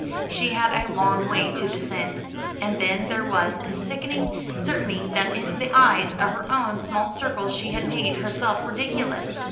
She had a long way to descend. And then there was the sickening certainty that in the eyes of her own small circle she had made herself ridiculous.